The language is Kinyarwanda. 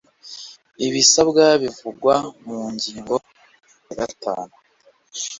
ibisabwa bivugwa mu ngingo ya gatanu